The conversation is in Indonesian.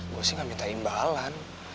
gue sih gak minta imbalan